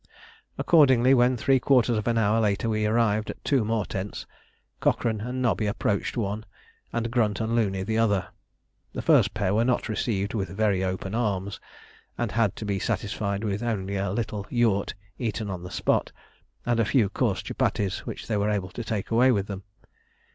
Accordingly, when three quarters of an hour later we arrived at two more tents, Cochrane and Nobby approached one, and Grunt and Looney the other. The first pair were not received with very open arms, and had to be satisfied with only a little "yourt" eaten on the spot, and a few coarse chupatties which they were able to take away with them.